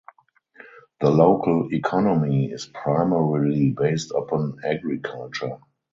The local economy is primarily based upon agriculture.